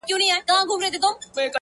خپه په دې یم چي زه مرم ته به خوشحاله یې؛